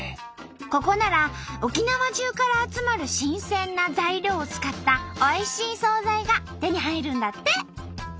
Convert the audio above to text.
ここなら沖縄じゅうから集まる新鮮な材料を使ったおいしい総菜が手に入るんだって！